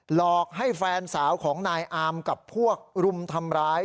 หลอกให้แฟนสาวของนายอามกับพวกรุมทำร้าย